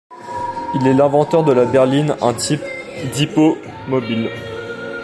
Il est l'inventeur de la berline, un type d'hippomobile.